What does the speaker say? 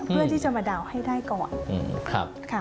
เพื่อที่จะมาเดาให้ได้ก่อน